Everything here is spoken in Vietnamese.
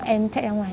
em chạy ra ngoài